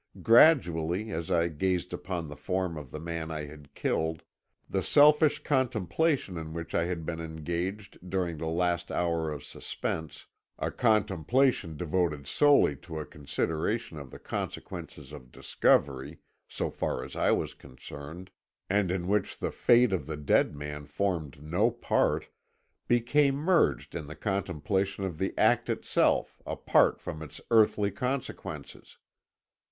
Gradually, as I gazed upon the form of the man I had killed, the selfish contemplation in which I had been engaged during the last hour of suspense a contemplation devoted solely to a consideration of the consequences of discovery, so far as I was concerned, and in which the fate of the dead man formed no part became merged in the contemplation of the act itself apart from its earthly consequences.